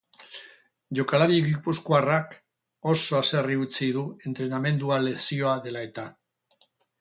Jokalari gipuzkoarrak oso haserre utzi du entrenamendua lesioa dela-eta.